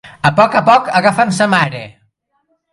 A poc a poc agafen sa mare.